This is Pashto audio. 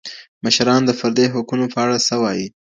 مشران د فردي حقونو په اړه څه وایي؟